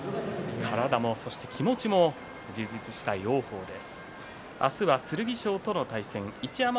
体も、そして気持ちも充実した王鵬です。